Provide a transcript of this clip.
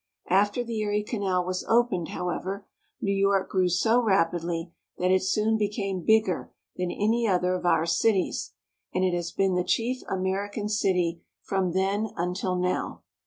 After the Erie Canal was opened, however, New York grew so rapidly that it soon became bigger than any other of our cities, and it has been the chief American city from then until now.